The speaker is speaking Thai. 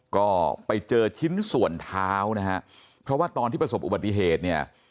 ก็ไปเจอชิ้นส่วนเท้านะฮะเพราะว่าตอนที่ประสบอุบัติเหตุเนี่ย